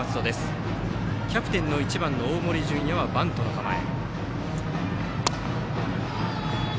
バッター、キャプテン１番の大森准弥はバントの構え。